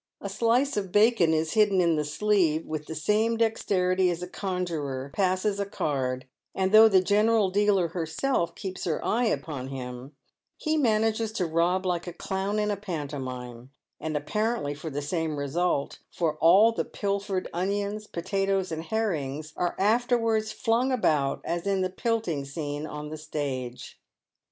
A slice of bacon is hidden in the sleeve with the same dexterity as a conjuror passes a card, and though the general dealer herself keeps her eye upon him, he manages to rob like a clown in a pantomime, and apparently for the same result, for all the pilfered onions, potatoes, and herrings are afterwards flung about as in the " pelting " scene on the stage.